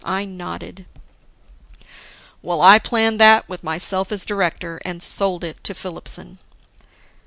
I nodded. "Well, I planned that with myself as director. And sold it to Filipson."